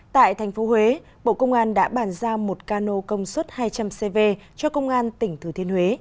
tại thành phố huế bộ công an đã bàn giao một cano công suất hai trăm linh cv cho công an tỉnh thừa thiên huế